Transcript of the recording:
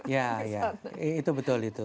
ya ya itu betul itu